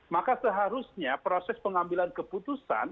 maka seharusnya proses pengambilan keputusan